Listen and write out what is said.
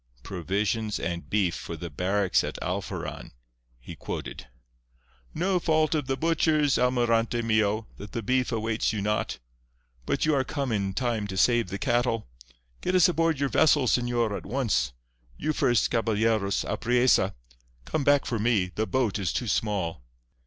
"Provisions and beef for the barracks at Alforan," he quoted. "No fault of the butchers, Almirante mio, that the beef awaits you not. But you are come in time to save the cattle. Get us aboard your vessel, señor, at once. You first, caballeros—á priesa! Come back for me. The boat is too small."